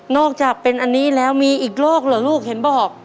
อกจากเป็นอันนี้แล้วมีอีกโรคเหรอลูกเห็นบอก